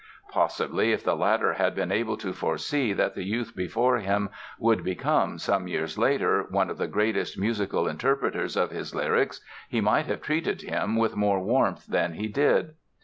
Possibly if the latter had been able to foresee that the youth before him would become, some years later, one of the greatest musical interpreters of his lyrics he might have treated him with more warmth than he did.